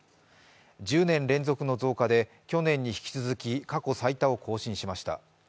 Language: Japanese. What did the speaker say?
１０年連続の増加で、去年に引き続き過去最多を更新しました。